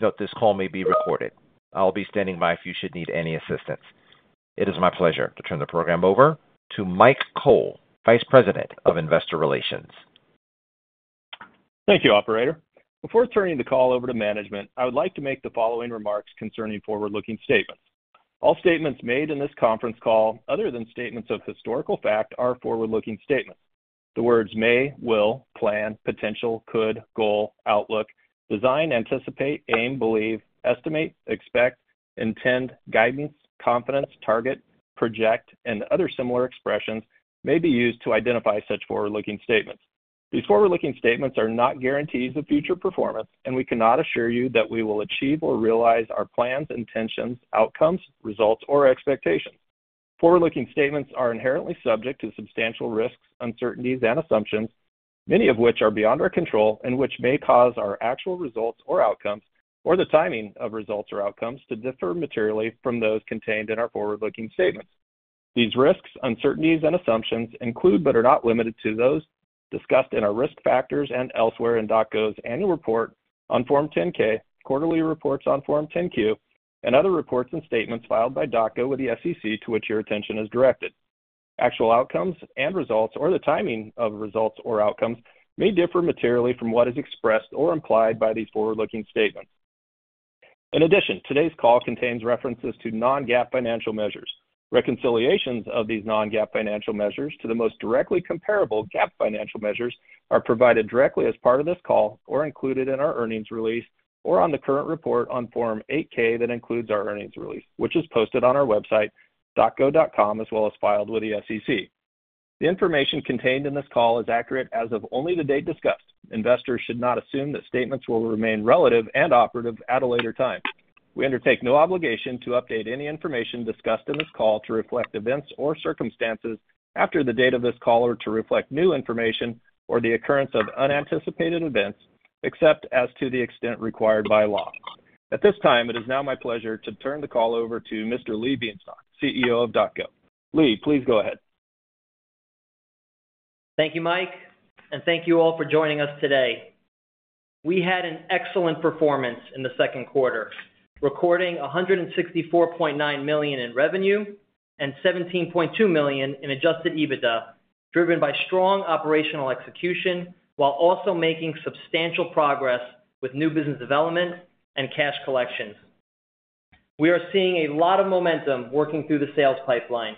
Note: this call may be recorded. I'll be standing by if you should need any assistance. It is my pleasure to turn the program over to Mike Cole, Vice President of Investor Relations. Thank you, operator. Before turning the call over to management, I would like to make the following remarks concerning forward-looking statements. All statements made in this conference call, other than statements of historical fact, are forward-looking statements. The words may, will, plan, potential, could, goal, outlook, design, anticipate, aim, believe, estimate, expect, intend, guidance, confidence, target, project, and other similar expressions may be used to identify such forward-looking statements. These forward-looking statements are not guarantees of future performance, and we cannot assure you that we will achieve or realize our plans, intentions, outcomes, results, or expectations. Forward-looking statements are inherently subject to substantial risks, uncertainties, and assumptions, many of which are beyond our control and which may cause our actual results or outcomes, or the timing of results or outcomes, to differ materially from those contained in our forward-looking statements. These risks, uncertainties, and assumptions include, but are not limited to, those discussed in our risk factors and elsewhere in DocGo's annual report on Form 10-K, quarterly reports on Form 10-Q, and other reports and statements filed by DocGo with the SEC to which your attention is directed. Actual outcomes and results, or the timing of results or outcomes, may differ materially from what is expressed or implied by these forward-looking statements. In addition, today's call contains references to non-GAAP financial measures. Reconciliations of these non-GAAP financial measures to the most directly comparable GAAP financial measures are provided directly as part of this call, or included in our earnings release, or on the current report on Form 8-K that includes our earnings release, which is posted on our website, docgo.com, as well as filed with the SEC. The information contained in this call is accurate as of only the date discussed. Investors should not assume that statements will remain relative and operative at a later time. We undertake no obligation to update any information discussed in this call to reflect events or circumstances after the date of this call, or to reflect new information or the occurrence of unanticipated events, except as to the extent required by law. At this time, it is now my pleasure to turn the call over to Mr. Lee Bienstock, CEO of DocGo. Lee, please go ahead. Thank you, Mike, and thank you all for joining us today. We had an excellent performance in the second quarter, recording $164.9 million in revenue and $17.2 million in Adjusted EBITDA, driven by strong operational execution, while also making substantial progress with new business development and cash collections. We are seeing a lot of momentum working through the sales pipeline.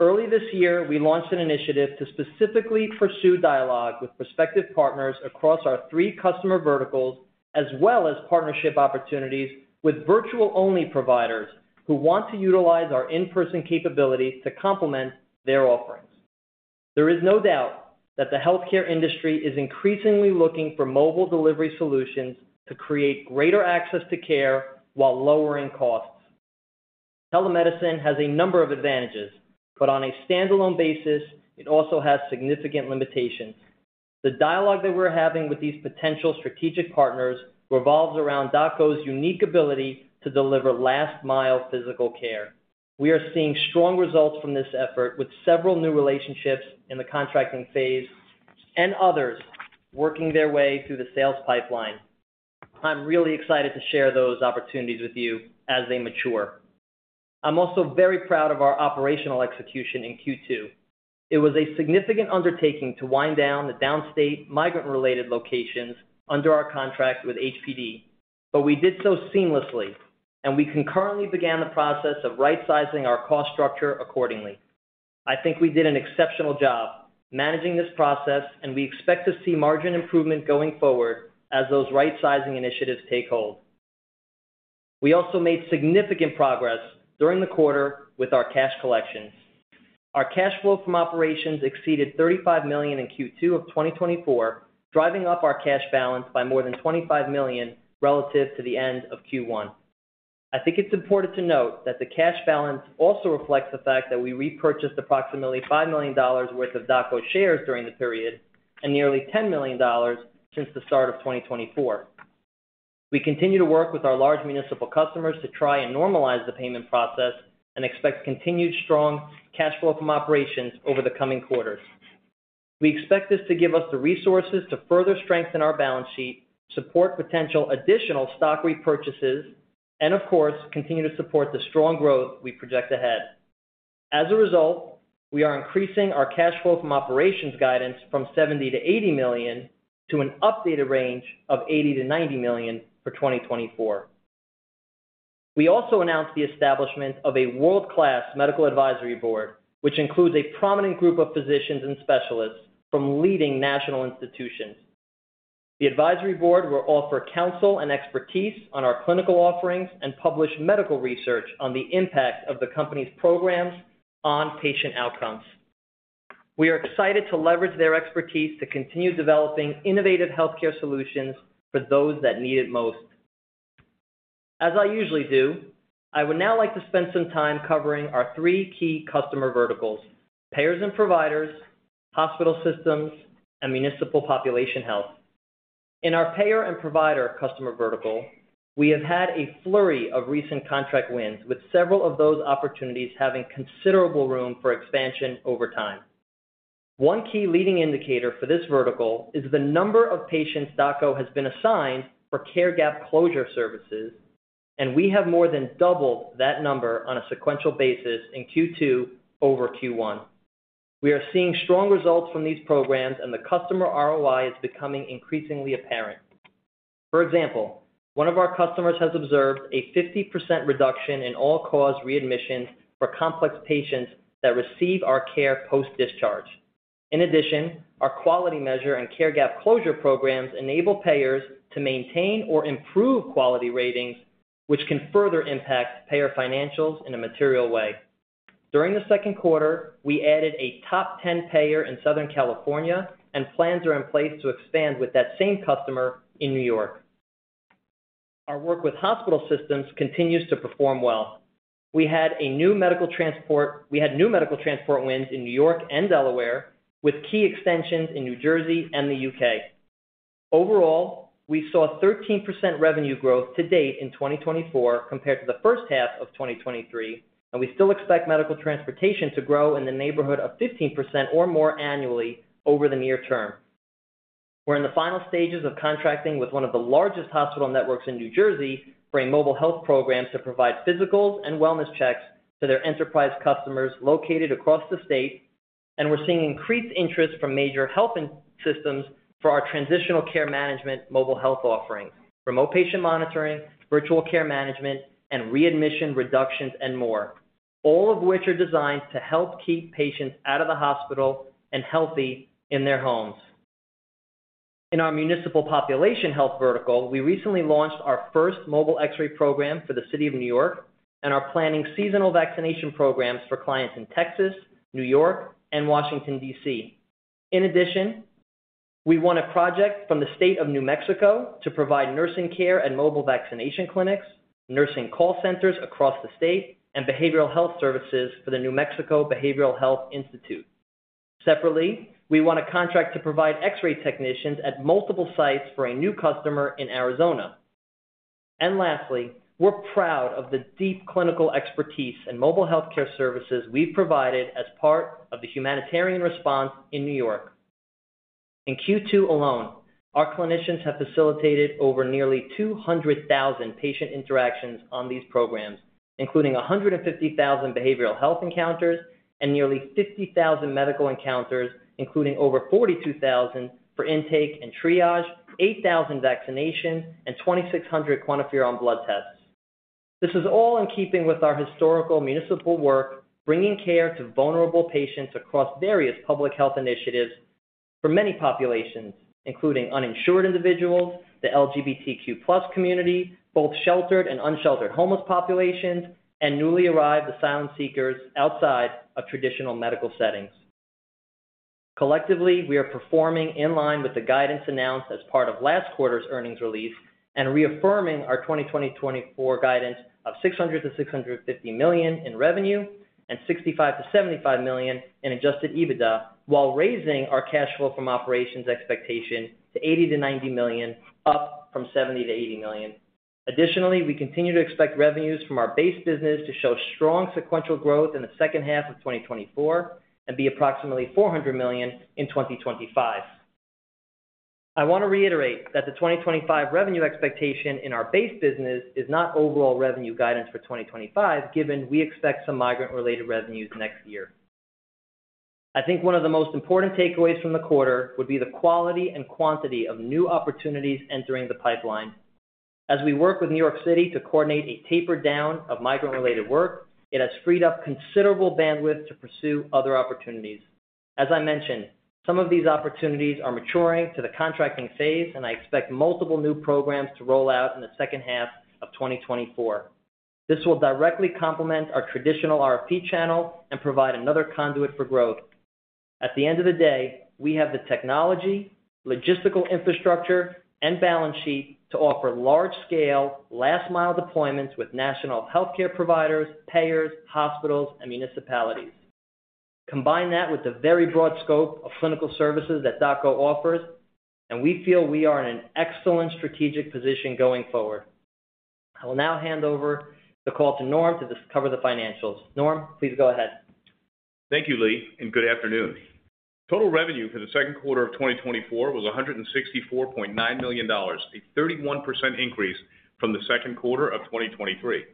Early this year, we launched an initiative to specifically pursue dialogue with prospective partners across our three customer verticals, as well as partnership opportunities with virtual-only providers who want to utilize our in-person capability to complement their offerings. There is no doubt that the healthcare industry is increasingly looking for mobile delivery solutions to create greater access to care while lowering costs. Telemedicine has a number of advantages, but on a standalone basis, it also has significant limitations. The dialogue that we're having with these potential strategic partners revolves around DocGo's unique ability to deliver last-mile physical care. We are seeing strong results from this effort, with several new relationships in the contracting phase and others working their way through the sales pipeline. I'm really excited to share those opportunities with you as they mature. I'm also very proud of our operational execution in Q2. It was a significant undertaking to wind down the downstate migrant-related locations under our contract with HPD, but we did so seamlessly, and we concurrently began the process of rightsizing our cost structure accordingly. I think we did an exceptional job managing this process, and we expect to see margin improvement going forward as those rightsizing initiatives take hold. We also made significant progress during the quarter with our cash collections. Our cash flow from operations exceeded $35 million in Q2 of 2024, driving up our cash balance by more than $25 million relative to the end of Q1. I think it's important to note that the cash balance also reflects the fact that we repurchased approximately $5 million worth of DocGo shares during the period and nearly $10 million since the start of 2024. We continue to work with our large municipal customers to try and normalize the payment process and expect continued strong cash flow from operations over the coming quarters. We expect this to give us the resources to further strengthen our balance sheet, support potential additional stock repurchases, and, of course, continue to support the strong growth we project ahead. As a result, we are increasing our cash flow from operations guidance from $70 million-$80 million to an updated range of $80 million-$90 million for 2024. We also announced the establishment of a world-class Medical Advisory Board, which includes a prominent group of physicians and specialists from leading national institutions. The advisory board will offer counsel and expertise on our clinical offerings and publish medical research on the impact of the company's programs on patient outcomes. We are excited to leverage their expertise to continue developing innovative healthcare solutions for those that need it most. As I usually do, I would now like to spend some time covering our three key customer verticals: payers and providers, hospital systems, and municipal population health. In our payer and provider customer vertical, we have had a flurry of recent contract wins, with several of those opportunities having considerable room for expansion over time. One key leading indicator for this vertical is the number of patients DocGo has been assigned for care gap closure services, and we have more than doubled that number on a sequential basis in Q2 over Q1. We are seeing strong results from these programs, and the customer ROI is becoming increasingly apparent. For example, one of our customers has observed a 50% reduction in all-cause readmissions for complex patients that receive our care post-discharge. In addition, our quality measure and care gap closure programs enable payers to maintain or improve quality ratings, which can further impact payer financials in a material way. During the second quarter, we added a top ten payer in Southern California, and plans are in place to expand with that same customer in New York. Our work with hospital systems continues to perform well. We had new medical transport wins in New York and Delaware, with key extensions in New Jersey and the UK. Overall, we saw 13% revenue growth to date in 2024 compared to the first half of 2023, and we still expect medical transportation to grow in the neighborhood of 15% or more annually over the near term. We're in the final stages of contracting with one of the largest hospital networks in New Jersey for a mobile health program to provide physicals and wellness checks to their enterprise customers located across the state, and we're seeing increased interest from major health systems for our transitional care management mobile health offerings, remote patient monitoring, virtual care management, and readmission reductions, and more, all of which are designed to help keep patients out of the hospital and healthy in their homes. In our municipal population health vertical, we recently launched our first mobile X-ray program for the City of New York, and are planning seasonal vaccination programs for clients in Texas, New York, and Washington, D.C. In addition, we won a project from the State of New Mexico to provide nursing care and mobile vaccination clinics, nursing call centers across the state, and behavioral health services for the New Mexico Behavioral Health Institute. Separately, we won a contract to provide X-ray technicians at multiple sites for a new customer in Arizona. And lastly, we're proud of the deep clinical expertise and mobile healthcare services we've provided as part of the humanitarian response in New York. In Q2 alone, our clinicians have facilitated over nearly 200,000 patient interactions on these programs, including 150,000 behavioral health encounters and nearly 50,000 medical encounters, including over 42,000 for intake and triage, 8,000 vaccinations, and 2,600 QuantiFERON blood tests. This is all in keeping with our historical municipal work, bringing care to vulnerable patients across various public health initiatives for many populations, including uninsured individuals, the LGBTQ+ community, both sheltered and unsheltered homeless populations, and newly arrived asylum seekers outside of traditional medical settings. Collectively, we are performing in line with the guidance announced as part of last quarter's earnings release and reaffirming our 2024 guidance of $600 million-$650 million in revenue and $65 million-$75 million in Adjusted EBITDA, while raising our cash flow from operations expectation to $80 million-$90 million, up from $70 million-$80 million. Additionally, we continue to expect revenues from our base business to show strong sequential growth in the second half of 2024 and be approximately $400 million in 2025. I want to reiterate that the 2025 revenue expectation in our base business is not overall revenue guidance for 2025, given we expect some migrant-related revenues next year. I think one of the most important takeaways from the quarter would be the quality and quantity of new opportunities entering the pipeline. As we work with New York City to coordinate a taper down of migrant-related work, it has freed up considerable bandwidth to pursue other opportunities. As I mentioned, some of these opportunities are maturing to the contracting phase, and I expect multiple new programs to roll out in the second half of 2024. This will directly complement our traditional RFP channel and provide another conduit for growth. At the end of the day, we have the technology, logistical infrastructure, and balance sheet to offer large-scale, last-mile deployments with national healthcare providers, payers, hospitals, and municipalities. Combine that with the very broad scope of clinical services that DocGo offers, and we feel we are in an excellent strategic position going forward. I will now hand over the call to Norm to cover the financials. Norm, please go ahead. Thank you, Lee, and good afternoon. Total revenue for the second quarter of 2024 was $164.9 million, a 31% increase from the second quarter of 2023.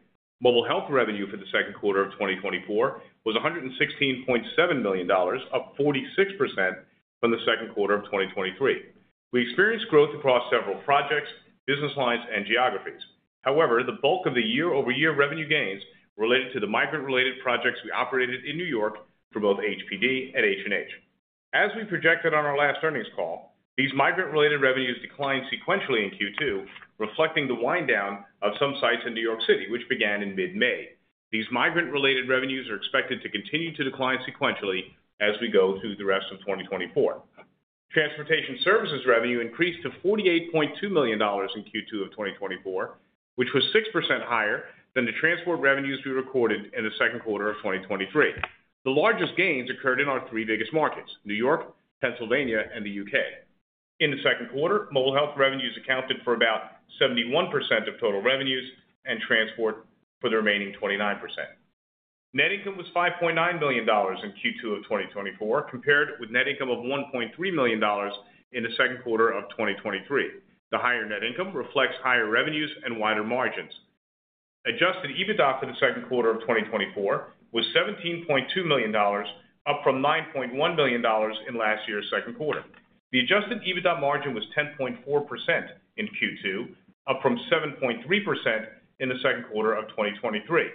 Mobile health revenue for the second quarter of 2024 was $116.7 million, up 46% from the second quarter of 2023. We experienced growth across several projects, business lines, and geographies. However, the bulk of the year-over-year revenue gains related to the migrant-related projects we operated in New York for both HPD and H+H. As we projected on our last earnings call, these migrant-related revenues declined sequentially in Q2, reflecting the wind down of some sites in New York City, which began in mid-May. These migrant-related revenues are expected to continue to decline sequentially as we go through the rest of 2024. Transportation services revenue increased to $48.2 million in Q2 of 2024, which was 6% higher than the transport revenues we recorded in the second quarter of 2023. The largest gains occurred in our three biggest markets, New York, Pennsylvania, and the U.K.... In the second quarter, mobile health revenues accounted for about 71% of total revenues, and transport for the remaining 29%. Net income was $5.9 billion in Q2 of 2024, compared with net income of $1.3 million in the second quarter of 2023. The higher net income reflects higher revenues and wider margins. Adjusted EBITDA for the second quarter of 2024 was $17.2 million, up from $9.1 million in last year's second quarter. The adjusted EBITDA margin was 10.4% in Q2, up from 7.3% in the second quarter of 2023.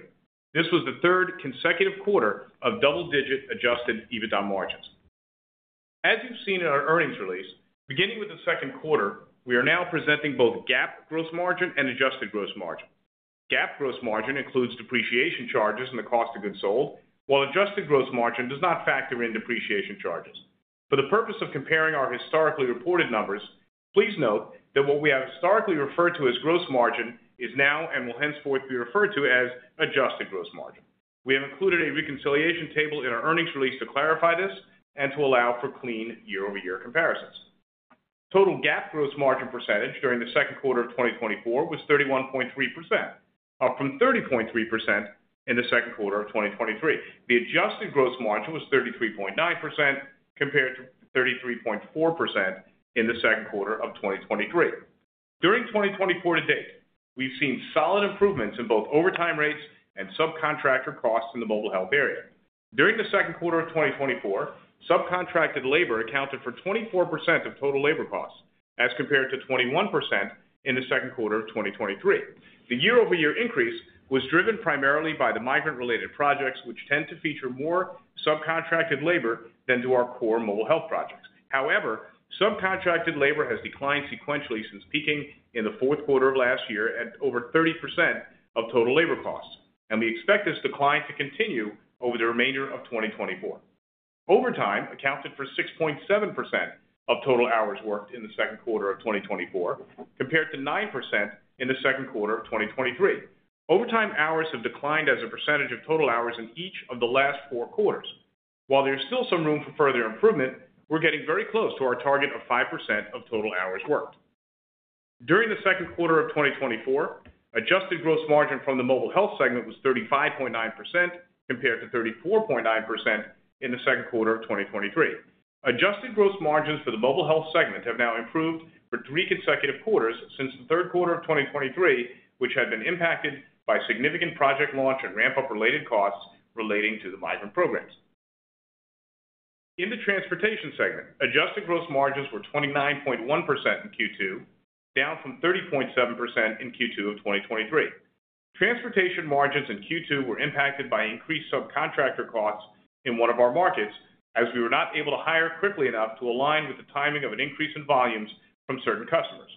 This was the third consecutive quarter of double-digit adjusted EBITDA margins. As you've seen in our earnings release, beginning with the second quarter, we are now presenting both GAAP gross margin and adjusted gross margin. GAAP gross margin includes depreciation charges and the cost of goods sold, while adjusted gross margin does not factor in depreciation charges. For the purpose of comparing our historically reported numbers, please note that what we have historically referred to as gross margin is now, and will henceforth be referred to as adjusted gross margin. We have included a reconciliation table in our earnings release to clarify this and to allow for clean year-over-year comparisons. Total GAAP gross margin percentage during the second quarter of 2024 was 31.3%, up from 30.3% in the second quarter of 2023. The adjusted gross margin was 33.9%, compared to 33.4% in the second quarter of 2023. During 2024 to date, we've seen solid improvements in both overtime rates and subcontractor costs in the mobile health area. During the second quarter of 2024, subcontracted labor accounted for 24% of total labor costs, as compared to 21% in the second quarter of 2023. The year-over-year increase was driven primarily by the migrant-related projects, which tend to feature more subcontracted labor than do our core mobile health projects. However, subcontracted labor has declined sequentially since peaking in the fourth quarter of last year at over 30% of total labor costs, and we expect this decline to continue over the remainder of 2024. Overtime accounted for 6.7% of total hours worked in the second quarter of 2024, compared to 9% in the second quarter of 2023. Overtime hours have declined as a percentage of total hours in each of the last four quarters. While there's still some room for further improvement, we're getting very close to our target of 5% of total hours worked. During the second quarter of 2024, adjusted gross margin from the mobile health segment was 35.9%, compared to 34.9% in the second quarter of 2023. Adjusted gross margins for the mobile health segment have now improved for three consecutive quarters since the third quarter of 2023, which had been impacted by significant project launch and ramp-up related costs relating to the migrant programs. In the transportation segment, adjusted gross margins were 29.1% in Q2, down from 30.7% in Q2 of 2023. Transportation margins in Q2 were impacted by increased subcontractor costs in one of our markets, as we were not able to hire quickly enough to align with the timing of an increase in volumes from certain customers.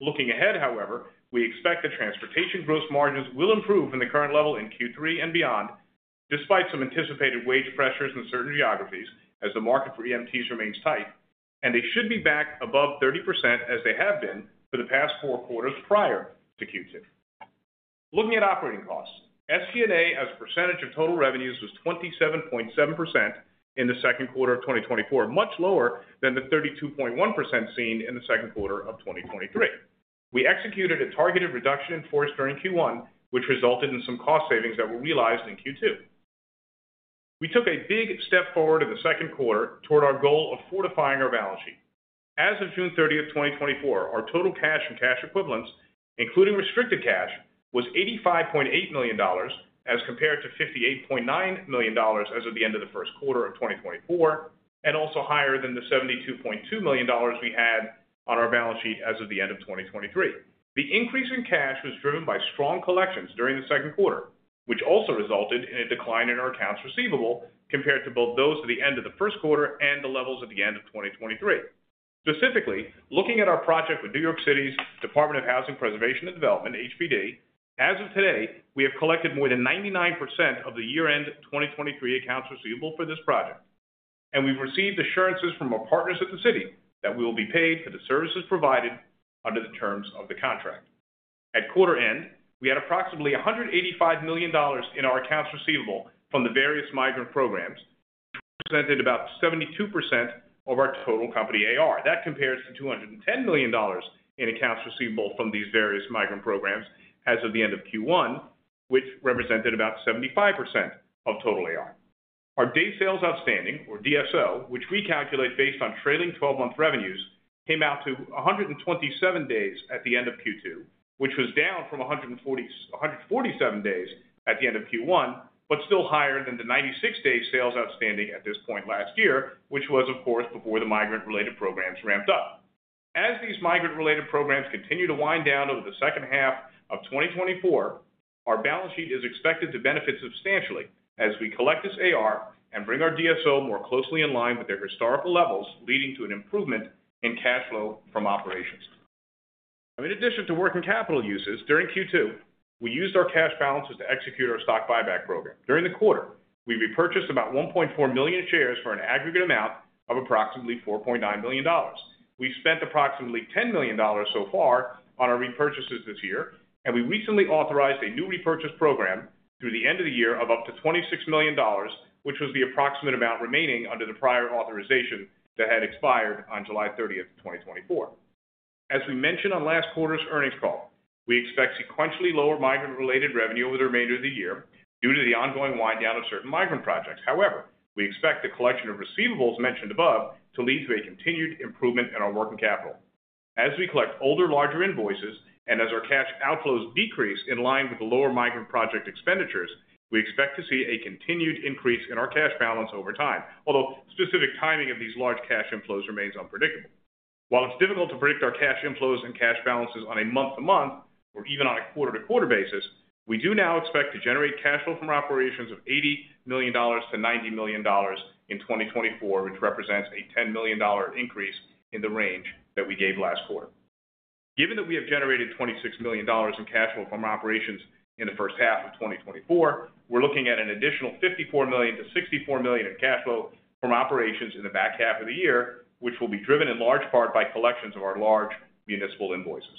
Looking ahead, however, we expect the transportation gross margins will improve in the current level in Q3 and beyond, despite some anticipated wage pressures in certain geographies as the market for EMTs remains tight, and they should be back above 30%, as they have been for the past 4 quarters prior to Q2. Looking at operating costs, SG&A, as a percentage of total revenues, was 27.7% in the second quarter of 2024, much lower than the 32.1% seen in the second quarter of 2023. We executed a targeted reduction in force during Q1, which resulted in some cost savings that were realized in Q2. We took a big step forward in the second quarter toward our goal of fortifying our balance sheet. As of June 30, 2024, our total cash and cash equivalents, including restricted cash, was $85.8 million, as compared to $58.9 million as of the end of the first quarter of 2024, and also higher than the $72.2 million we had on our balance sheet as of the end of 2023. The increase in cash was driven by strong collections during the second quarter, which also resulted in a decline in our accounts receivable compared to both those at the end of the first quarter and the levels at the end of 2023. Specifically, looking at our project with New York City's Department of Housing, Preservation, and Development, HPD, as of today, we have collected more than 99% of the year-end 2023 accounts receivable for this project, and we've received assurances from our partners at the city that we will be paid for the services provided under the terms of the contract. At quarter end, we had approximately $185 million in our accounts receivable from the various migrant programs, represented about 72% of our total company AR. That compares to $210 million in accounts receivable from these various migrant programs as of the end of Q1, which represented about 75% of total AR. Our day sales outstanding, or DSO, which we calculate based on trailing 12-month revenues, came out to 127 days at the end of Q2, which was down from 147 days at the end of Q1, but still higher than the 96-day sales outstanding at this point last year, which was, of course, before the migrant-related programs ramped up. As these migrant-related programs continue to wind down over the second half of 2024, our balance sheet is expected to benefit substantially as we collect this AR and bring our DSO more closely in line with their historical levels, leading to an improvement in cash flow from operations. In addition to working capital uses, during Q2, we used our cash balances to execute our stock buyback program. During the quarter, we repurchased about 1.4 million shares for an aggregate amount of approximately $4.9 million. We've spent approximately $10 million so far on our repurchases this year, and we recently authorized a new repurchase program through the end of the year of up to $26 million, which was the approximate amount remaining under the prior authorization that had expired on July 30, 2024. As we mentioned on last quarter's earnings call, we expect sequentially lower migrant-related revenue over the remainder of the year due to the ongoing wind down of certain migrant projects. However, we expect the collection of receivables mentioned above to lead to a continued improvement in our working capital. As we collect older, larger invoices, and as our cash outflows decrease in line with the lower migrant project expenditures, we expect to see a continued increase in our cash balance over time. Although specific timing of these large cash inflows remains unpredictable. While it's difficult to predict our cash inflows and cash balances on a month-to-month or even on a quarter-to-quarter basis, we do now expect to generate cash flow from our operations of $80 million-$90 million in 2024, which represents a $10 million increase in the range that we gave last quarter. Given that we have generated $26 million in cash flow from operations in the first half of 2024, we're looking at an additional $54 million-$64 million in cash flow from operations in the back half of the year, which will be driven in large part by collections of our large municipal invoices.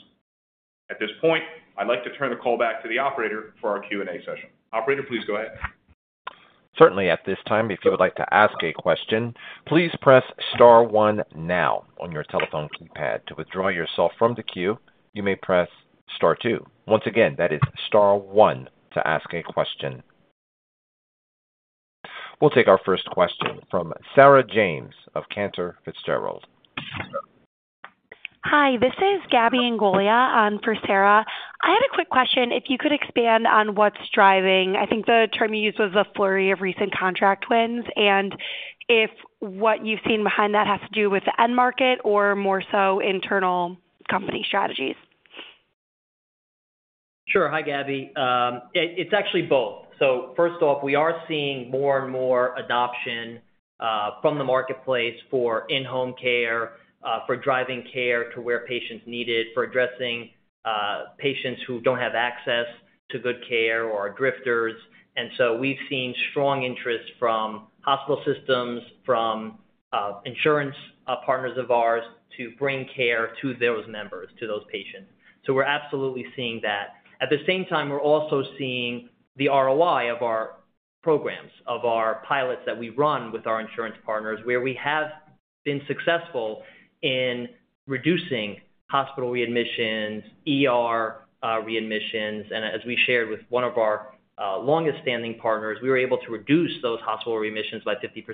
At this point, I'd like to turn the call back to the operator for our Q&A session. Operator, please go ahead. Certainly. At this time, if you would like to ask a question, please press star one now on your telephone keypad. To withdraw yourself from the queue, you may press star two. Once again, that is star one to ask a question. We'll take our first question from Sarah James of Cantor Fitzgerald. Hi, this is Gabie Ingoglia on for Sarah. I had a quick question if you could expand on what's driving (I think the term you used was a flurry of recent contract wins), and if what you've seen behind that has to do with the end market or more so internal company strategies? Sure. Hi, Gabby. It's actually both. So first off, we are seeing more and more adoption from the marketplace for in-home care, for driving care to where patients need it, for addressing patients who don't have access to good care or are drifters. And so we've seen strong interest from hospital systems, from insurance partners of ours to bring care to those members, to those patients. So we're absolutely seeing that. At the same time, we're also seeing the ROI of our programs, of our pilots that we run with our insurance partners, where we have been successful in reducing hospital readmissions, ER readmissions. And as we shared with one of our longest standing partners, we were able to reduce those hospital readmissions by 50%,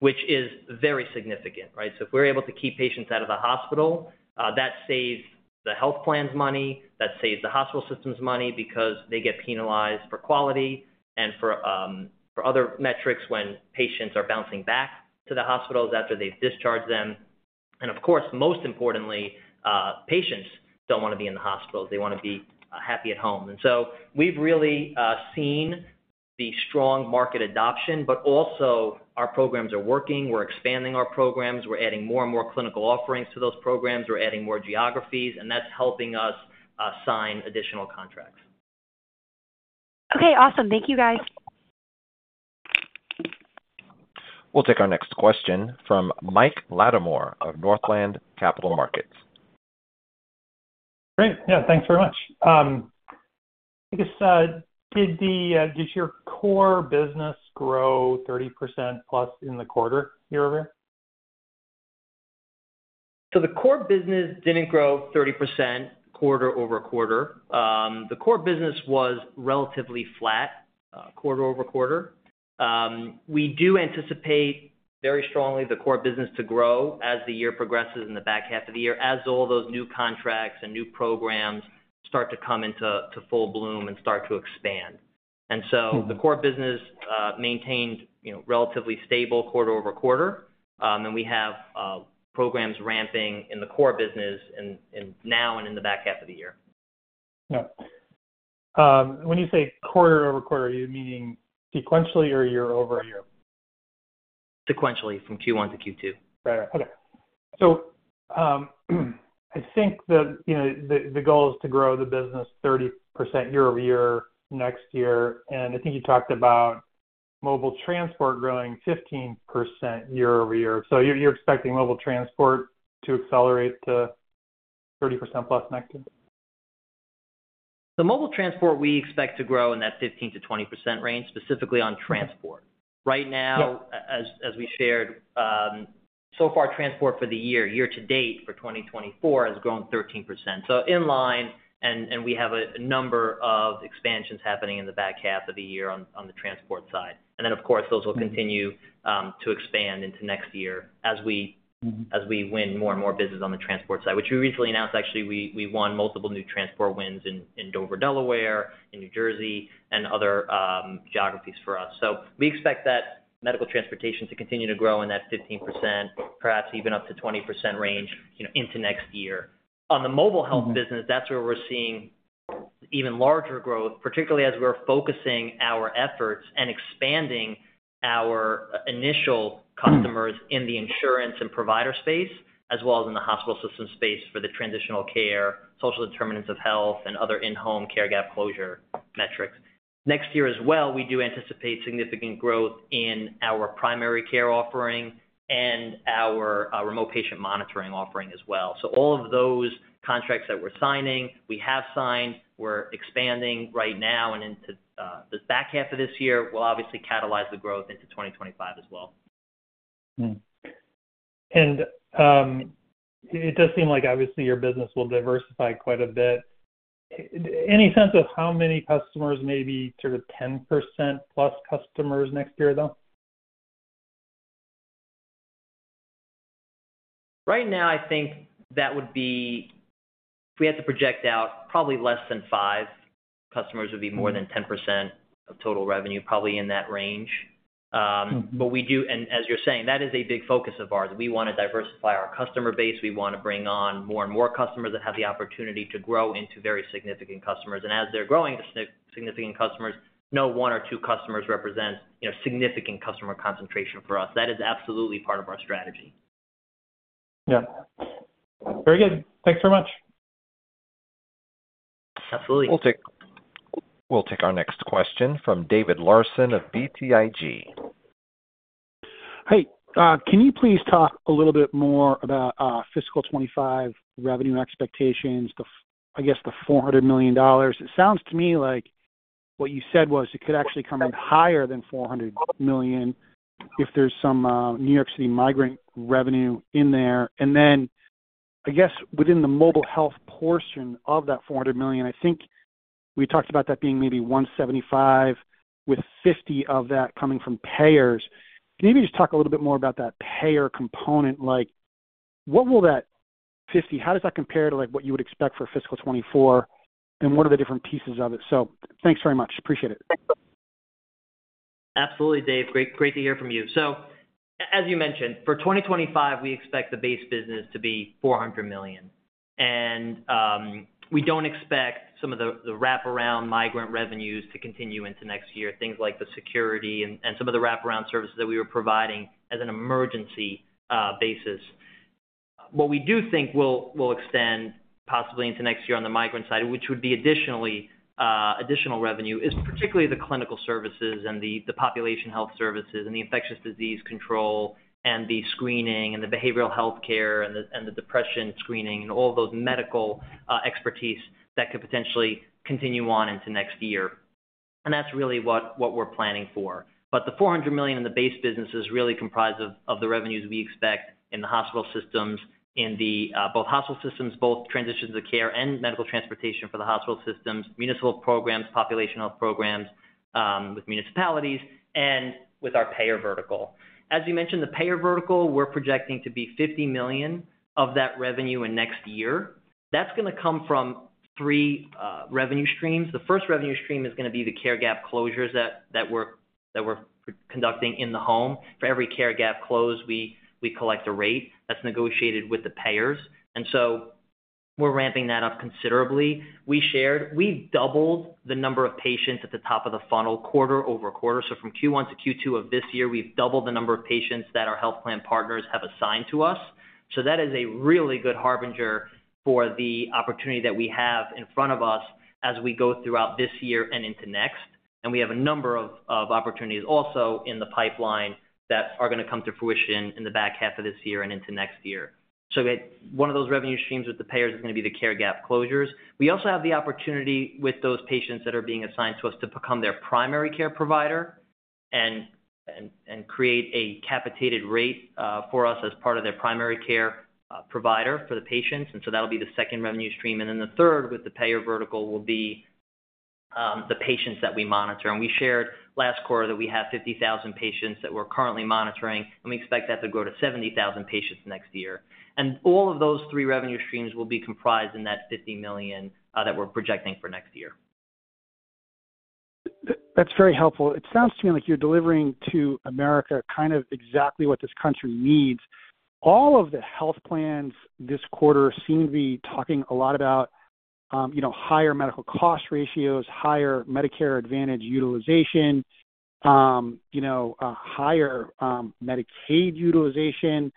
which is very significant, right? So if we're able to keep patients out of the hospital, that saves the health plans money, that saves the hospital systems money because they get penalized for quality and for other metrics when patients are bouncing back to the hospitals after they've discharged them. And of course, most importantly, patients don't wanna be in the hospital. They wanna be happy at home. And so we've really seen the strong market adoption, but also our programs are working. We're expanding our programs. We're adding more and more clinical offerings to those programs. We're adding more geographies, and that's helping us sign additional contracts. Okay, awesome. Thank you, guys. We'll take our next question from Mike Latimore of Northland Capital Markets. Great. Yeah, thanks very much. I guess, did your core business grow 30% plus in the quarter year-over-year? The core business didn't grow 30% quarter-over-quarter. The core business was relatively flat, quarter-over-quarter. We do anticipate very strongly the core business to grow as the year progresses in the back half of the year, as all those new contracts and new programs start to come into, to full bloom and start to expand. Mm-hmm. So the core business maintained, you know, relatively stable quarter-over-quarter. We have programs ramping in the core business and now in the back half of the year. Yeah. When you say quarter-over-quarter, are you meaning sequentially or year-over-year? Sequentially, from Q1 to Q2. Right. Okay. So, I think the, you know, the goal is to grow the business 30% year over year next year, and I think you talked about mobile transport growing 15% year over year. So you're expecting mobile transport to accelerate to 30% plus next year? The mobile transport, we expect to grow in that 15%-20% range, specifically on transport. Yeah. Right now, as we shared, so far, transport for the year, year to date for 2024, has grown 13%. So in line, and we have a number of expansions happening in the back half of the year on the transport side. And then, of course, those will continue to expand into next year as we- Mm-hmm As we win more and more business on the transport side, which we recently announced, actually, we won multiple new transport wins in Dover, Delaware, in New Jersey and other geographies for us. So we expect that medical transportation to continue to grow in that 15%, perhaps even up to 20% range, you know, into next year. On the mobile health business, that's where we're seeing even larger growth, particularly as we're focusing our efforts and expanding our initial customers in the insurance and provider space, as well as in the hospital system space for the transitional care, social determinants of health, and other in-home care gap closure metrics. Next year as well, we do anticipate significant growth in our primary care offering and our remote patient monitoring offering as well. So all of those contracts that we're signing, we have signed, we're expanding right now and into this back half of this year, will obviously catalyze the growth into 2025 as well. Mm-hmm. And, it does seem like obviously your business will diversify quite a bit. Any sense of how many customers, maybe sort of 10%+ customers next year, though? Right now, I think that would be, if we had to project out, probably less than five customers would be more than 10% of total revenue, probably in that range. But we do – and as you're saying, that is a big focus of ours. We want to diversify our customer base. We want to bring on more and more customers that have the opportunity to grow into very significant customers. And as they're growing into significant customers, no one or two customers represent, you know, significant customer concentration for us. That is absolutely part of our strategy. Yeah. Very good. Thanks so much. Absolutely. We'll take our next question from David Larsen of BTIG. Hey, can you please talk a little bit more about fiscal 2025 revenue expectations, the—I guess, the $400 million? It sounds to me like what you said was it could actually come in higher than $400 million if there's some New York City migrant revenue in there. And then, I guess, within the mobile health portion of that $400 million, I think we talked about that being maybe $175 million, with $50 million of that coming from payers. Can you just talk a little bit more about that payer component? Like, what will that $50 million—how does that compare to, like, what you would expect for fiscal 2024, and what are the different pieces of it? So thanks very much. Appreciate it. Absolutely, Dave. Great, great to hear from you. So as you mentioned, for 2025, we expect the base business to be $400 million. And we don't expect some of the, the wraparound migrant revenues to continue into next year, things like the security and, and some of the wraparound services that we were providing as an emergency basis. What we do think will, will extend possibly into next year on the migrant side, which would be additionally additional revenue, is particularly the clinical services and the, the population health services, and the infectious disease control, and the screening, and the behavioral health care, and the, and the depression screening, and all those medical expertise that could potentially continue on into next year. And that's really what, what we're planning for. But the $400 million in the base business is really comprised of, of the revenues we expect in the hospital systems, in the both hospital systems, both transitions of care and medical transportation for the hospital systems, municipal programs, population health programs, with municipalities and with our payer vertical. As you mentioned, the payer vertical, we're projecting to be $50 million of that revenue in next year. That's gonna come from three revenue streams. The first revenue stream is gonna be the care gap closures that we're conducting in the home. For every care gap closed, we collect a rate that's negotiated with the payers, and so we're ramping that up considerably. We shared—we've doubled the number of patients at the top of the funnel quarter-over-quarter. So from Q1 to Q2 of this year, we've doubled the number of patients that our health plan partners have assigned to us. So that is a really good harbinger for the opportunity that we have in front of us as we go throughout this year and into next. And we have a number of opportunities also in the pipeline that are gonna come to fruition in the back half of this year and into next year. So one of those revenue streams with the payers is gonna be the care gap closures. We also have the opportunity with those patients that are being assigned to us to become their primary care provider and create a capitated rate for us as part of their primary care provider for the patients, and so that'll be the second revenue stream. And then the third, with the payer vertical, will be the patients that we monitor. And we shared last quarter that we have 50,000 patients that we're currently monitoring, and we expect that to grow to 70,000 patients next year. And all of those three revenue streams will be comprised in that $50 million that we're projecting for next year. That's very helpful. It sounds to me like you're delivering to America kind of exactly what this country needs. All of the health plans this quarter seem to be talking a lot about, you know, higher medical cost ratios, higher Medicare Advantage utilization, you know, a higher, Medicaid utilization,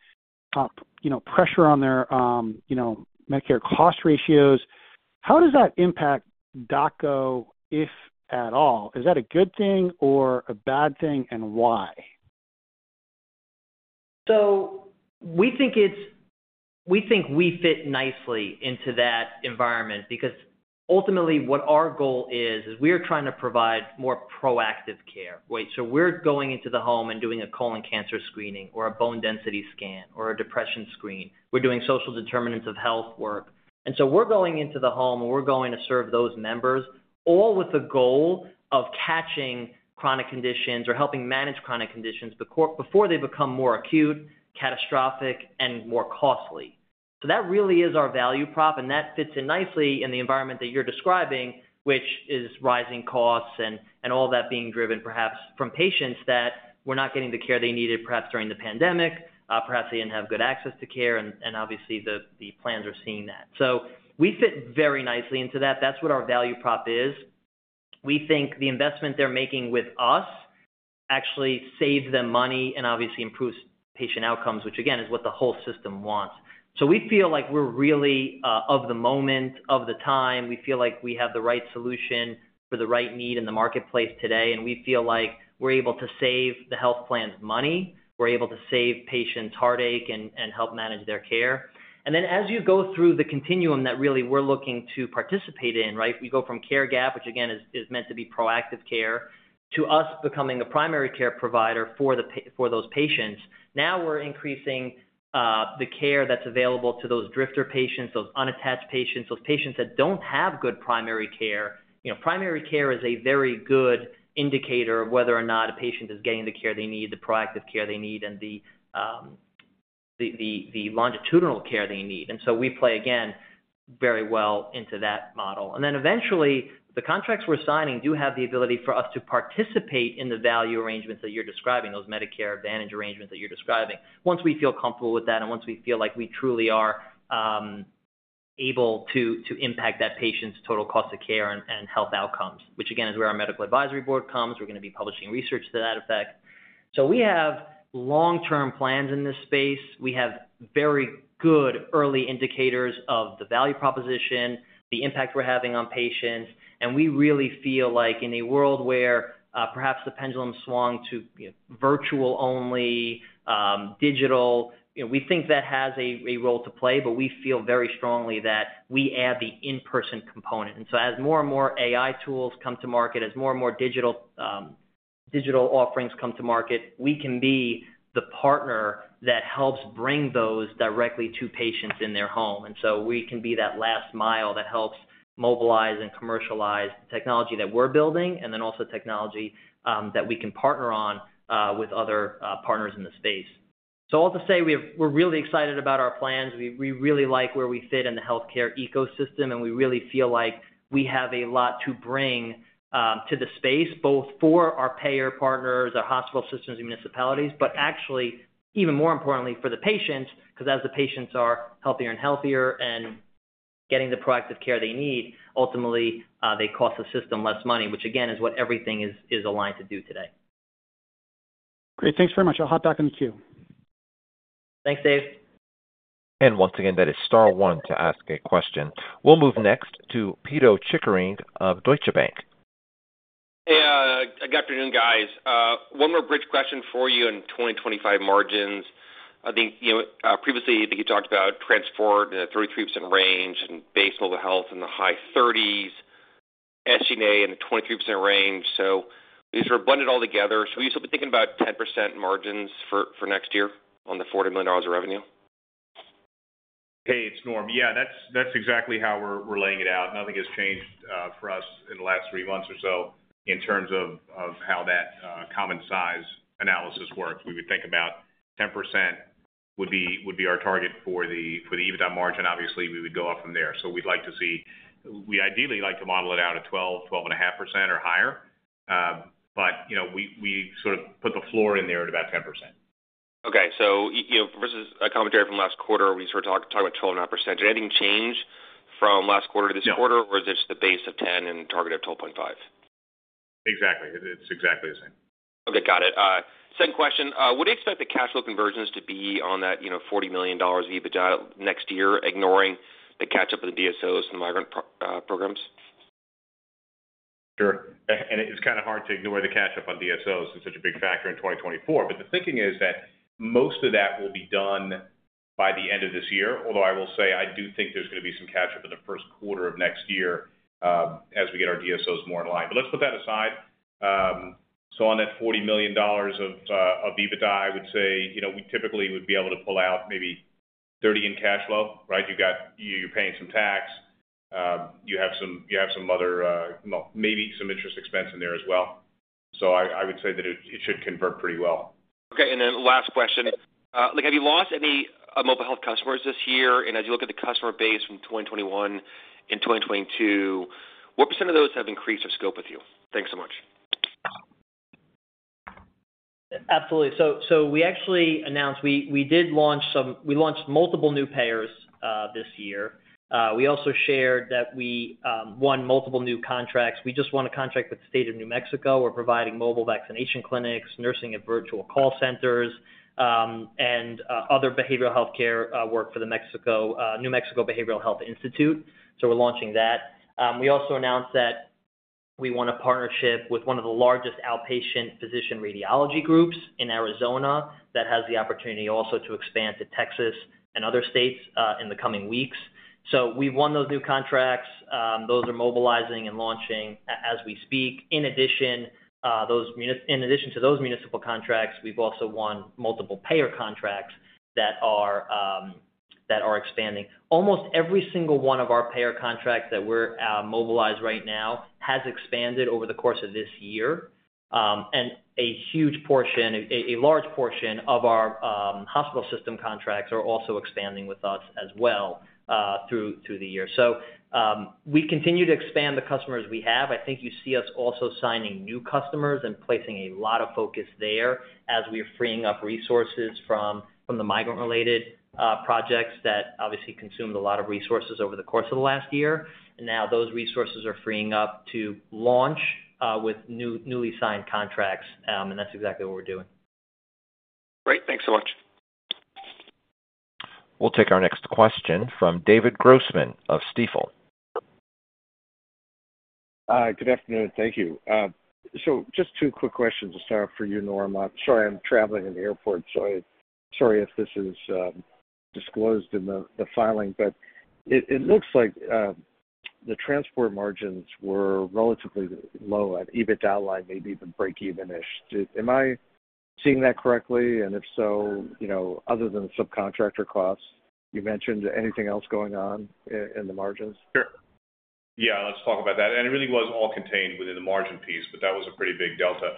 you know, pressure on their, you know, Medicare cost ratios. How does that impact DocGo, if at all? Is that a good thing or a bad thing, and why? So we think it's, we think we fit nicely into that environment because ultimately, what our goal is, we are trying to provide more proactive care, right? So we're going into the home and doing a colon cancer screening or a bone density scan or a depression screen. We're doing social determinants of health work. And so we're going into the home, and we're going to serve those members, all with the goal of catching chronic conditions or helping manage chronic conditions before they become more acute, catastrophic, and more costly. So that really is our value prop, and that fits in nicely in the environment that you're describing, which is rising costs and all that being driven, perhaps from patients that were not getting the care they needed, perhaps during the pandemic. Perhaps they didn't have good access to care, and obviously the plans are seeing that. So we fit very nicely into that. That's what our value prop is. We think the investment they're making with us actually saves them money and obviously improves patient outcomes, which again is what the whole system wants. So we feel like we're really of the moment, of the time. We feel like we have the right solution for the right need in the marketplace today, and we feel like we're able to save the health plans money, we're able to save patients heartache and help manage their care. And then as you go through the continuum that really we're looking to participate in, right? We go from care gap, which again is meant to be proactive care, to us becoming a primary care provider for those patients. Now, we're increasing the care that's available to those drifter patients, those unattached patients, those patients that don't have good primary care. You know, primary care is a very good indicator of whether or not a patient is getting the care they need, the proactive care they need, and the longitudinal care they need. So we play, again, very well into that model. And then eventually, the contracts we're signing do have the ability for us to participate in the value arrangements that you're describing, those Medicare Advantage arrangements that you're describing. Once we feel comfortable with that, and once we feel like we truly are able to impact that patient's total cost of care and health outcomes, which again, is where our Medical Advisory Board comes. We're gonna be publishing research to that effect. So we have long-term plans in this space. We have very good early indicators of the value proposition, the impact we're having on patients, and we really feel like in a world where, perhaps the pendulum swung to, you know, virtual only, digital, you know, we think that has a role to play, but we feel very strongly that we add the in-person component. And so as more and more AI tools come to market, as more and more digital, digital offerings come to market, we can be the partner that helps bring those directly to patients in their home. And so we can be that last mile that helps mobilize and commercialize technology that we're building, and then also technology, that we can partner on, with other, partners in the space. So all to say, we're really excited about our plans. We really like where we fit in the healthcare ecosystem, and we really feel like we have a lot to bring to the space, both for our payer partners, our hospital systems, and municipalities, but actually, even more importantly, for the patients, because as the patients are healthier and healthier and getting the proactive care they need, ultimately, they cost the system less money, which again, is what everything is aligned to do today. Great. Thanks very much. I'll hop back in the queue. Thanks, Dave. And once again, that is star one to ask a question. We'll move next to Pito Chickering of Deutsche Bank. Hey, good afternoon, guys. One more bridge question for you in 2025 margins. I think, you know, previously, I think you talked about transport in a 33% range and base level health in the high 30s, SG&A in the 23% range. So these are blended all together. So you should be thinking about 10% margins for next year on the $40 million of revenue? Hey, it's Norm. Yeah, that's exactly how we're laying it out. Nothing has changed for us in the last three months or so in terms of how that common size analysis works. We would think about 10% would be our target for the EBITDA margin. Obviously, we would go up from there. So we'd like to see... We ideally like to model it out at 12, 12.5% or higher. But you know, we sort of put the floor in there at about 10%. Okay. So you know, versus a commentary from last quarter, we sort of talking about 12.5%. Do anything change from last quarter to this quarter? No. Or is this the base of 10 and target of 12.5? Exactly. It's exactly the same. Okay, got it. Second question. Would you expect the cash flow conversions to be on that, you know, $40 million EBITDA next year, ignoring the catch-up of the DSOs and the migrant programs? Sure. It is kinda hard to ignore the catch-up on DSOs. It's such a big factor in 2024, but the thinking is that most of that will be done by the end of this year, although I will say I do think there's gonna be some catch-up in the first quarter of next year, as we get our DSOs more in line. But let's put that aside. So on that $40 million of EBITDA, I would say, you know, we typically would be able to pull out maybe $30 million in cash flow, right? You're paying some tax, you have some other, well, maybe some interest expense in there as well. So I would say that it should convert pretty well. Okay, and then last question. Like, have you lost any mobile health customers this year? And as you look at the customer base from 2021 and 2022, what % of those have increased their scope with you? Thanks so much. Absolutely. So we actually announced we did launch some—we launched multiple new payers this year. We also shared that we won multiple new contracts. We just won a contract with the State of New Mexico. We're providing mobile vaccination clinics, nursing and virtual call centers, and other behavioral healthcare work for the New Mexico Behavioral Health Institute, so we're launching that. We also announced that we won a partnership with one of the largest outpatient physician radiology groups in Arizona that has the opportunity also to expand to Texas and other states in the coming weeks. So we've won those new contracts. Those are mobilizing and launching as we speak. In addition to those municipal contracts, we've also won multiple payer contracts that are expanding. Almost every single one of our payer contracts that we're mobilized right now has expanded over the course of this year. And a huge portion, a large portion of our hospital system contracts are also expanding with us as well, through the year. So, we continue to expand the customers we have. I think you see us also signing new customers and placing a lot of focus there as we are freeing up resources from the migrant-related projects that obviously consumed a lot of resources over the course of the last year. And now those resources are freeing up to launch with newly signed contracts, and that's exactly what we're doing. Great. Thanks so much. We'll take our next question from David Grossman of Stifel. Hi, good afternoon. Thank you. So just two quick questions to start off for you, Norm. I'm sorry, I'm traveling in the airport, so sorry if this is disclosed in the filing, but it looks like the transport margins were relatively low at EBITDA line, maybe even break-even-ish. Am I seeing that correctly? And if so, you know, other than subcontractor costs, you mentioned anything else going on in the margins? Sure. Yeah, let's talk about that. It really was all contained within the margin piece, but that was a pretty big delta.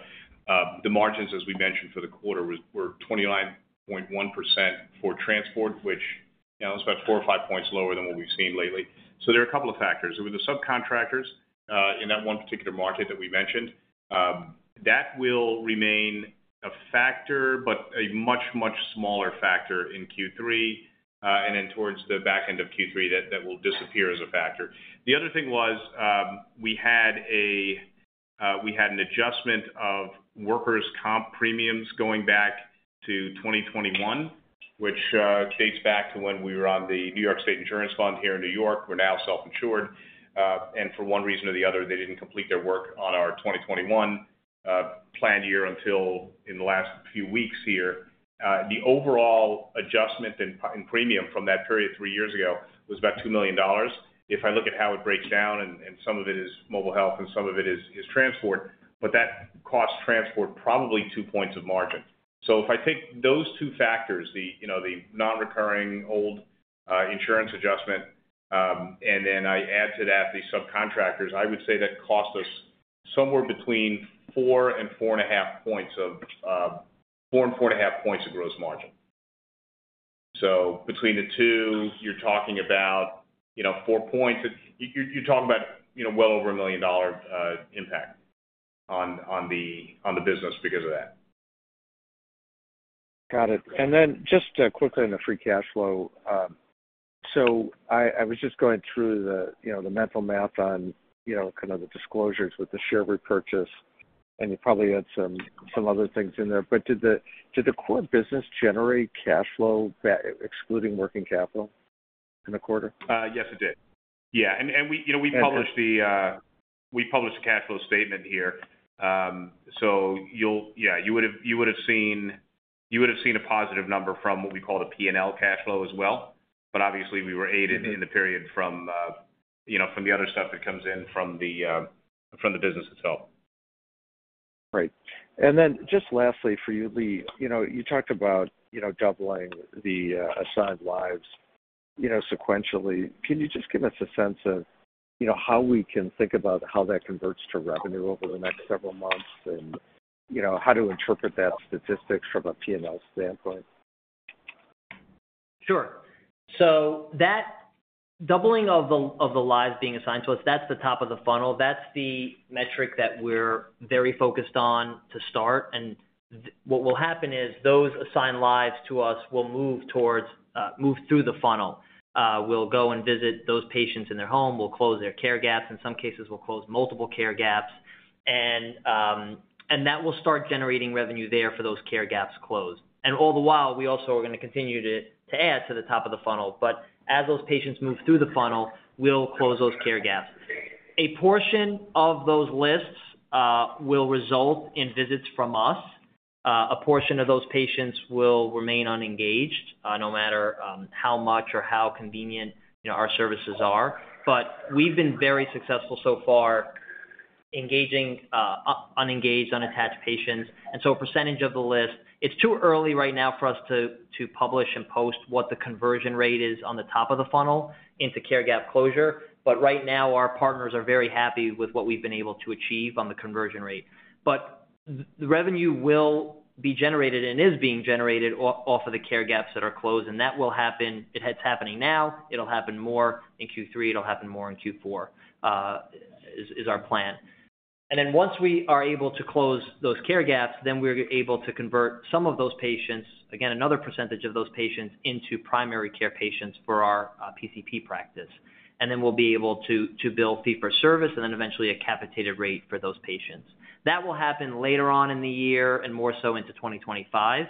The margins, as we mentioned for the quarter, were 29.1% for transport, which, you know, is about four or five points lower than what we've seen lately. There are a couple of factors. With the subcontractors in that one particular market that we mentioned, that will remain a factor, but a much, much smaller factor in Q3, and then towards the back end of Q3, that will disappear as a factor. The other thing was, we had an adjustment of workers' comp premiums going back to 2021, which dates back to when we were on the New York State Insurance Fund here in New York. We're now self-insured. For one reason or the other, they didn't complete their work on our 2021 planned year until in the last few weeks here. The overall adjustment in premium from that period three years ago was about $2 million. If I look at how it breaks down, and some of it is mobile health and some of it is transport, but that costs transport probably 2 points of margin. So if I take those two factors, you know, the nonrecurring old insurance adjustment, and then I add to that the subcontractors, I would say that cost us somewhere between 4 and 4.5 points of gross margin. So between the two, you're talking about, you know, 4 points. You, you're talking about, you know, well over $1 million impact on, on the, on the business because of that. Got it. And then just quickly on the free cash flow. So I was just going through the, you know, the mental math on, you know, kind of the disclosures with the share repurchase, and you probably had some other things in there. But did the core business generate cash flow back, excluding working capital in the quarter? Yes, it did. Yeah, and we, you know, we published the cash flow statement here. So you'll—yeah, you would've, you would have seen a positive number from what we call the P&L cash flow as well. But obviously, we were aided in the period from, you know, from the other stuff that comes in from the business itself. Right. And then just lastly for you, Lee, you know, you talked about, you know, doubling the assigned lives, you know, sequentially. Can you just give us a sense of, you know, how we can think about how that converts to revenue over the next several months? And, you know, how to interpret that statistics from a P&L standpoint. Sure. So that doubling of the lives being assigned to us, that's the top of the funnel. That's the metric that we're very focused on to start. And what will happen is those assigned lives to us will move towards, move through the funnel. We'll go and visit those patients in their home. We'll close their care gaps. In some cases, we'll close multiple care gaps, and that will start generating revenue there for those care gaps closed. And all the while, we also are gonna continue to add to the top of the funnel. But as those patients move through the funnel, we'll close those care gaps. A portion of those lists will result in visits from us. A portion of those patients will remain unengaged, no matter how much or how convenient, you know, our services are. But we've been very successful so far, engaging unengaged, unattached patients, and so a percentage of the list. It's too early right now for us to publish and post what the conversion rate is on the top of the funnel into care gap closure. But right now, our partners are very happy with what we've been able to achieve on the conversion rate. But the revenue will be generated and is being generated off of the care gaps that are closed, and that will happen. It is happening now. It'll happen more in Q3. It'll happen more in Q4, is our plan. Then once we are able to close those care gaps, then we're able to convert some of those patients, again, another percentage of those patients, into primary care patients for our PCP practice. And then we'll be able to bill fee for service and then eventually a capitated rate for those patients. That will happen later on in the year and more so into 2025.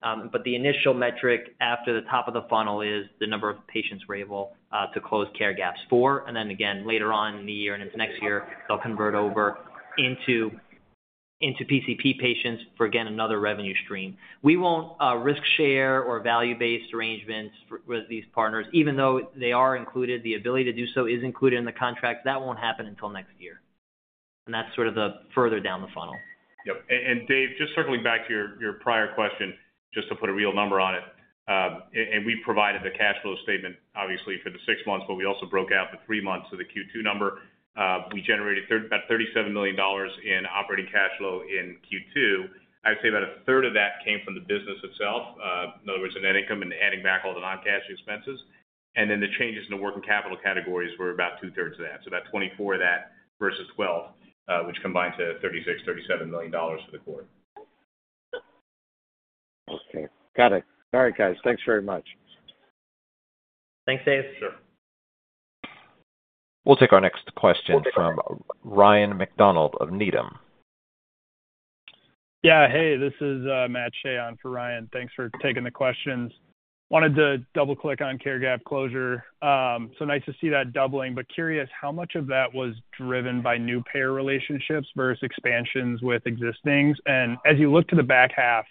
But the initial metric after the top of the funnel is the number of patients we're able to close care gaps for. And then again, later on in the year and into next year, they'll convert over into PCP patients for, again, another revenue stream. We won't risk share or value-based arrangements with these partners, even though they are included. The ability to do so is included in the contract. That won't happen until next year, and that's sort of the further down the funnel. Yep. And, and Dave, just circling back to your, your prior question, just to put a real number on it. And, and we provided the cash flow statement, obviously, for the six months, but we also broke out the three months of the Q2 number. We generated about $37 million in operating cash flow in Q2. I'd say about a third of that came from the business itself, in other words, the net income and adding back all the non-cash expenses. And then the changes in the working capital categories were about two-thirds of that. So about 24 of that versus 12, which combined to $36-$37 million for the quarter. Okay. Got it. All right, guys. Thanks very much. Thanks, Dave. Sure. We'll take our next question from Ryan MacDonald of Needham. Yeah, hey, this is Matt Shea on for Ryan. Thanks for taking the questions. Wanted to double-click on care gap closure. So nice to see that doubling, but curious, how much of that was driven by new payer relationships versus expansions with existings? And as you look to the back half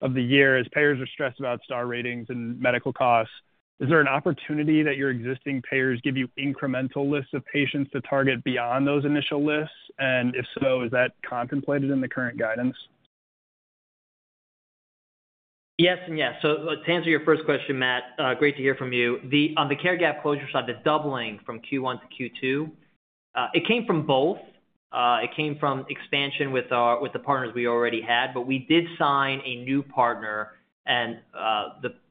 of the year, as payers are stressed about star ratings and medical costs, is there an opportunity that your existing payers give you incremental lists of patients to target beyond those initial lists? And if so, is that contemplated in the current guidance? Yes and yes. So to answer your first question, Matt, great to hear from you. On the care gap closure side, the doubling from Q1 to Q2, it came from both. It came from expansion with our, with the partners we already had, but we did sign a new partner and,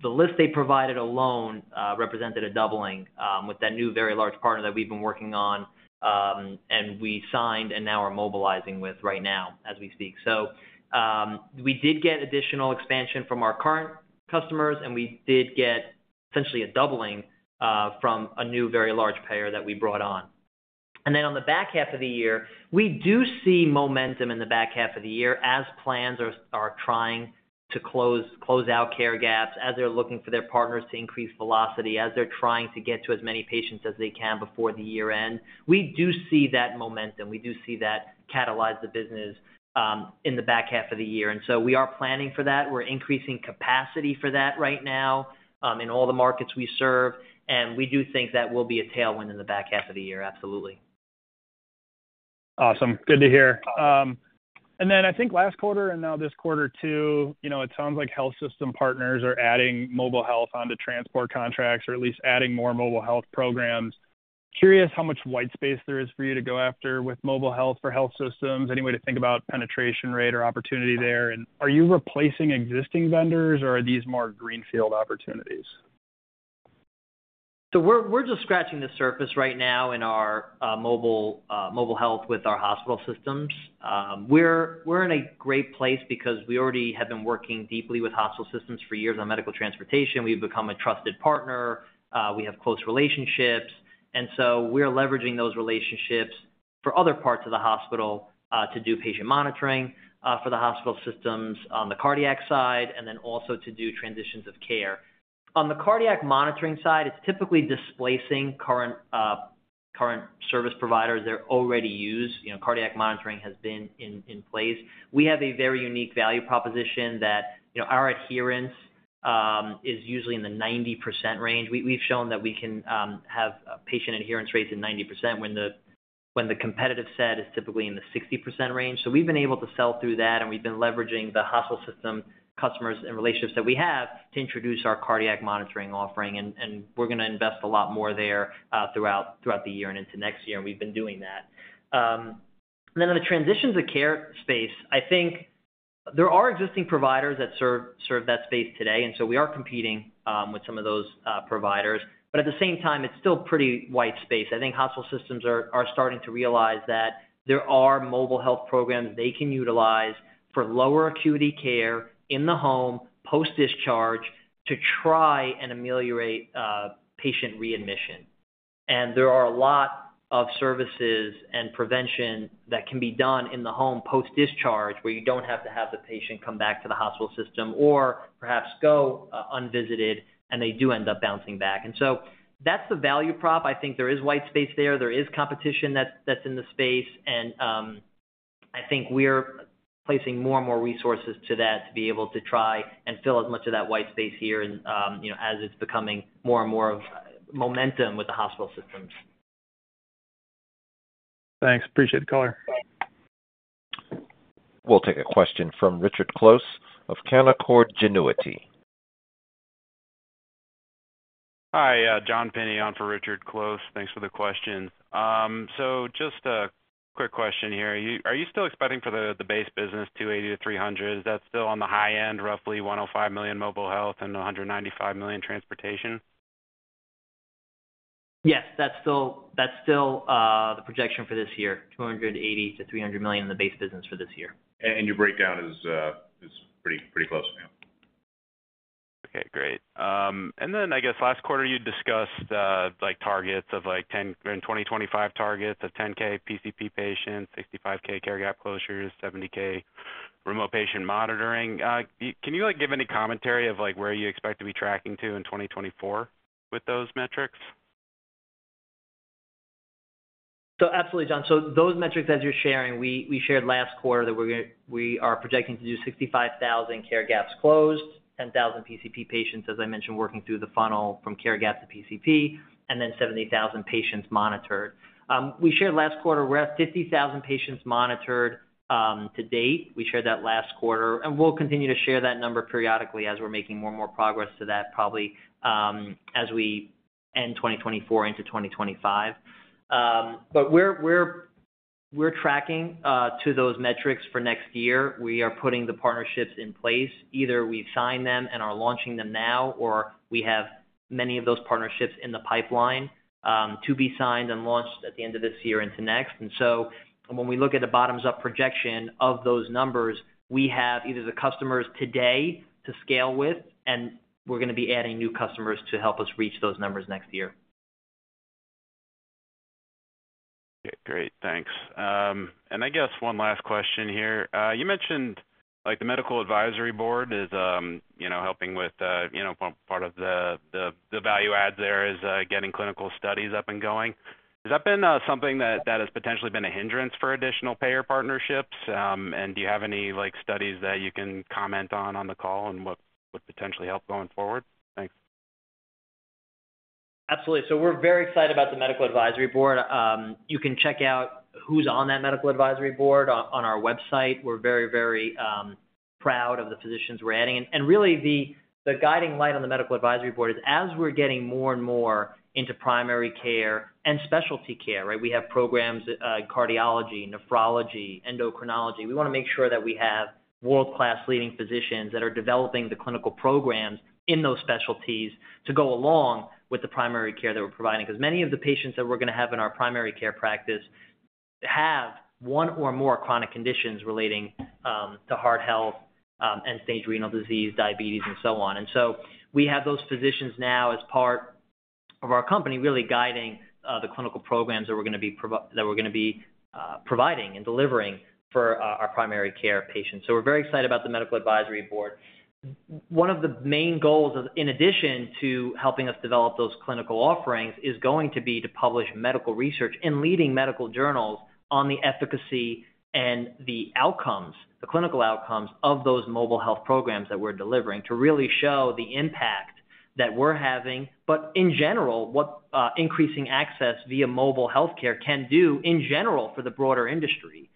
the list they provided alone represented a doubling, with that new, very large partner that we've been working on, and we signed and now are mobilizing with right now as we speak. So, we did get additional expansion from our current customers, and we did get essentially a doubling, from a new, very large payer that we brought on. Then on the back half of the year, we do see momentum in the back half of the year as plans are trying to close out care gaps, as they're looking for their partners to increase velocity, as they're trying to get to as many patients as they can before the year end. We do see that momentum. We do see that catalyze the business in the back half of the year, and so we are planning for that. We're increasing capacity for that right now in all the markets we serve, and we do think that will be a tailwind in the back half of the year. Absolutely. Awesome. Good to hear. And then I think last quarter and now this quarter too, you know, it sounds like health system partners are adding mobile health onto transport contracts or at least adding more mobile health programs. Curious how much white space there is for you to go after with mobile health for health systems. Any way to think about penetration rate or opportunity there, and are you replacing existing vendors or are these more greenfield opportunities? So we're just scratching the surface right now in our mobile health with our hospital systems. We're in a great place because we already have been working deeply with hospital systems for years on medical transportation. We've become a trusted partner, we have close relationships, and so we're leveraging those relationships for other parts of the hospital, to do patient monitoring, for the hospital systems on the cardiac side, and then also to do transitions of care. On the cardiac monitoring side, it's typically displacing current current service providers that are already used. You know, cardiac monitoring has been in place. We have a very unique value proposition that, you know, our adherence is usually in the 90% range. We've shown that we can have patient adherence rates in 90% when the competitive set is typically in the 60% range. So we've been able to sell through that, and we've been leveraging the hospital system, customers and relationships that we have to introduce our cardiac monitoring offering, and we're gonna invest a lot more there throughout the year and into next year, and we've been doing that. Then in the transitions of care space, I think there are existing providers that serve that space today, and so we are competing with some of those providers. But at the same time, it's still pretty wide space. I think hospital systems are starting to realize that there are mobile health programs they can utilize for lower acuity care in the home, post-discharge, to try and ameliorate patient readmission. And there are a lot of services and prevention that can be done in the home post-discharge, where you don't have to have the patient come back to the hospital system or perhaps go unvisited, and they do end up bouncing back. And so that's the value prop. I think there is white space there. There is competition that's in the space, and I think we're placing more and more resources to that to be able to try and fill as much of that white space here and you know, as it's becoming more and more of momentum with the hospital systems. Thanks. Appreciate the call. We'll take a question from Richard Close of Canaccord Genuity. Hi, John Pinney on for Richard Close. Thanks for the question. So just a quick question here. Are you, are you still expecting for the, the base business $280 million-$300 million? Is that still on the high end, roughly $105 million mobile health and $195 million transportation? Yes, that's still, that's still, the projection for this year, $280 million-$300 million in the base business for this year. Your breakdown is pretty close to now. Okay, great. And then I guess last quarter you discussed like targets of like 10 and 2025 targets of 10,000 PCP patients, 65,000 care gap closures, 70,000 remote patient monitoring. Can you like give any commentary of like where you expect to be tracking to in 2024 with those metrics? So absolutely, John. So those metrics as you're sharing, we shared last quarter that we are projecting to do 65,000 care gaps closed, 10,000 PCP patients, as I mentioned, working through the funnel from care gap to PCP, and then 78,000 patients monitored. We shared last quarter, we're at 50,000 patients monitored to date. We shared that last quarter, and we'll continue to share that number periodically as we're making more and more progress to that, probably, as we end 2024 into 2025. But we're tracking to those metrics for next year. We are putting the partnerships in place. Either we've signed them and are launching them now, or we have many of those partnerships in the pipeline to be signed and launched at the end of this year into next. And so when we look at the bottoms-up projection of those numbers, we have either the customers today to scale with, and we're gonna be adding new customers to help us reach those numbers next year. Okay, great, thanks. I guess one last question here. You mentioned, like, the Medical Advisory Board is, you know, helping with, you know, part of the value add there is, getting clinical studies up and going. Has that been something that has potentially been a hindrance for additional payer partnerships? And do you have any, like, studies that you can comment on, on the call and what would potentially help going forward? Thanks. Absolutely. So we're very excited about the Medical Advisory Board. You can check out who's on that Medical Advisory Board on our website. We're very, very proud of the physicians we're adding. And really, the guiding light on the Medical Advisory Board is, as we're getting more and more into primary care and specialty care, right? We have programs, cardiology, nephrology, endocrinology. We wanna make sure that we have world-class leading physicians that are developing the clinical programs in those specialties to go along with the primary care that we're providing. Because many of the patients that we're gonna have in our primary care practice have one or more chronic conditions relating to heart health, end-stage renal disease, diabetes, and so on. And so we have those physicians now as part of our company, really guiding the clinical programs that we're gonna be providing and delivering for our primary care patients. So we're very excited about the Medical Advisory Board. One of the main goals, in addition to helping us develop those clinical offerings, is going to be to publish medical research and leading medical journals on the efficacy and the outcomes, the clinical outcomes of those mobile health programs that we're delivering, to really show the impact that we're having, but in general, what increasing access via mobile healthcare can do in general for the broader industry.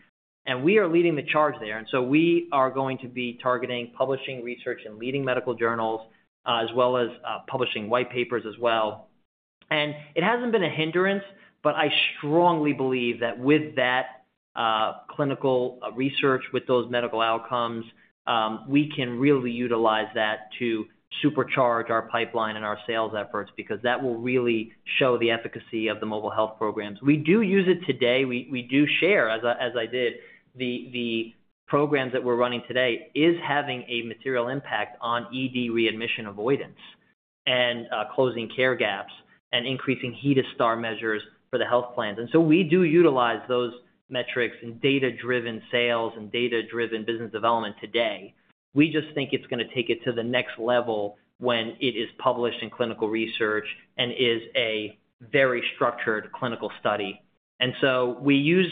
And we are leading the charge there, and so we are going to be targeting publishing research and leading medical journals as well as publishing white papers as well. It hasn't been a hindrance, but I strongly believe that with that clinical research, with those medical outcomes, we can really utilize that to supercharge our pipeline and our sales efforts, because that will really show the efficacy of the mobile health programs. We do use it today. We do share, as I did, the programs that we're running today is having a material impact on ED readmission avoidance, and closing care gaps and increasing HEDIS star measures for the health plans. So we do utilize those metrics and data-driven sales and data-driven business development today. We just think it's gonna take it to the next level when it is published in clinical research and is a very structured clinical study. So we use.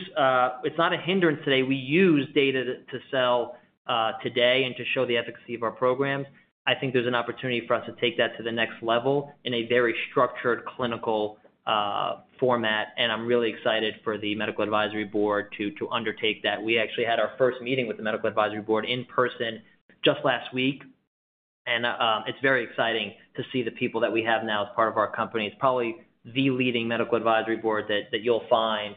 It's not a hindrance today. We use data to sell today and to show the efficacy of our programs. I think there's an opportunity for us to take that to the next level in a very structured clinical format, and I'm really excited for the Medical Advisory Board to undertake that. We actually had our first meeting with the Medical Advisory Board in person just last week, and it's very exciting to see the people that we have now as part of our company. It's probably the leading Medical Advisory Board that you'll find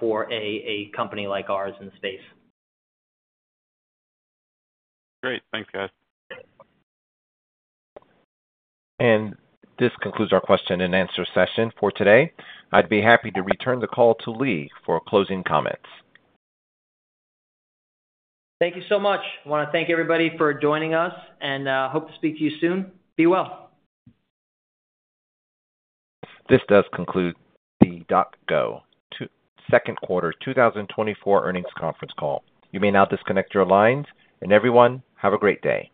for a company like ours in the space. Great. Thanks, guys. This concludes our question and answer session for today. I'd be happy to return the call to Lee for closing comments. Thank you so much. I wanna thank everybody for joining us, and hope to speak to you soon. Be well. This does conclude the DocGo second quarter 2024 earnings conference call. You may now disconnect your lines, and everyone, have a great day.